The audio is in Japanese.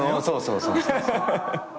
そうそうそう。